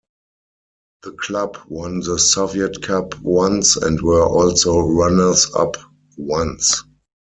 The club won the Soviet Cup once, and were also runners-up once.